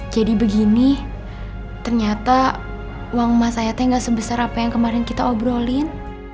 jadi begini ternyata uang emas saya gak sebesar apa yang kemarin kita obrolin